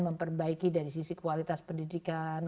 memperbaiki dari sisi kualitas pendidikan